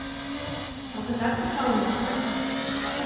Огытат кычал мо?